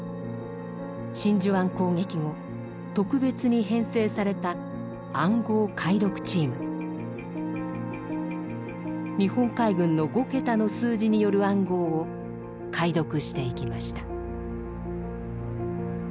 真珠湾攻撃後特別に編成された日本海軍の５桁の数字による暗号を解読していきました。